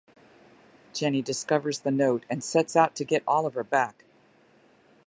Jenny discovers the note and sets out to get Oliver back.